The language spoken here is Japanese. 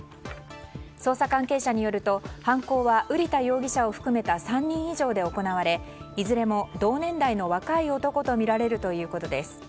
捜査関係者によると犯行は、瓜田容疑者を含めた３人以上で行われいずれも同年代の若い男とみられるということです。